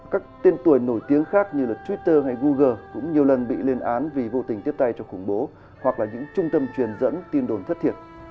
các tên tuổi nổi tiếng khác như twitter hay google cũng nhiều lần bị lên án vì vô tình tiếp tay cho khủng bố hoặc là những trung tâm truyền dẫn tin đồn thất thiệt